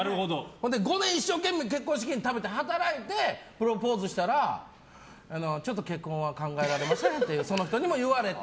５年、一生懸命、結婚資金ためて働いて、プロポーズしたらちょっと結婚は考えられませんって、その人にも言われて。